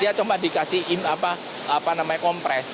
dia cuma dikasih apa apa namanya kompres